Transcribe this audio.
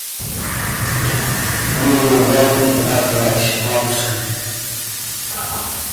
Moore won in that election also.